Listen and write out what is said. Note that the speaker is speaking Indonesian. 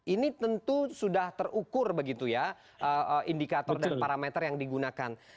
ini tentu sudah terukur begitu ya indikator dan parameter yang digunakan